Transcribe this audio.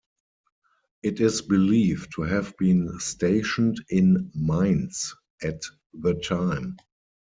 It is believed to have been stationed in Mainz at the time.